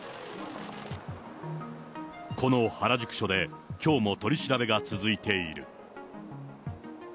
この原宿署できょうも取り調べが続いている。